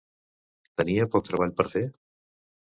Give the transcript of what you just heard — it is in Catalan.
Tenia poc treball per fer?